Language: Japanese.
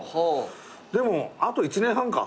でもあと１年半か。